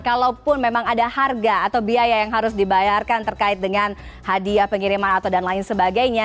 kalaupun memang ada harga atau biaya yang harus dibayarkan terkait dengan hadiah pengiriman atau dan lain sebagainya